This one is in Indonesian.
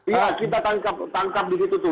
iya kita tangkap tangkap di situ tuh